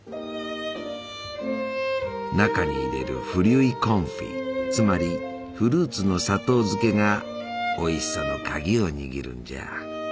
中に入れるフリュイ・コンフィつまりフルーツの砂糖漬けがおいしさの鍵を握るんじゃ。